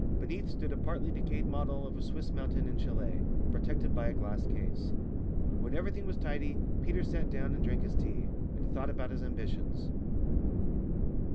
Beneath stood a partly decayed model of a Swiss mountain and châlet, protected by a glass case. When everything was tidy Peters sat down and drank his tea, and thought about his ambitions.